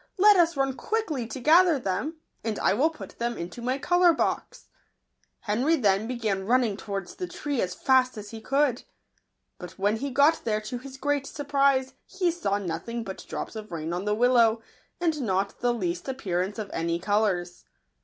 Let us run quickly to gather ( them, and I will put them into my colour box." Henry then began running towards the tree as fast as he could. But when he got there, to his great surprise he saw no thing but drops of rain on the willow, and not the least appearance of any colours.